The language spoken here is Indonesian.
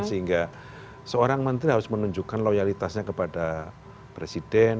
sehingga seorang menteri harus menunjukkan loyalitasnya kepada presiden